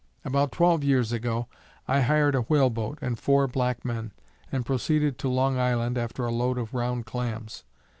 About twelve years ago, I hired a whale boat and four black men, and proceeded to Long Island after a load of round clams.